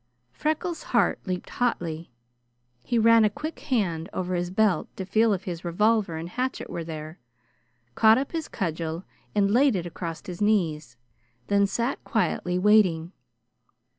Freckles' heart leaped hotly. He ran a quick hand over his belt to feel if his revolver and hatchet were there, caught up his cudgel and laid it across his knees then sat quietly, waiting.